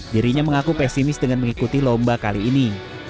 dirinya mengaku pesimis dengan mengikuti lomba kali ini